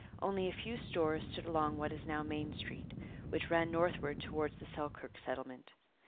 Only a few stores stood along what is now Main Street, which ran northward towards the Selkirk Settlement.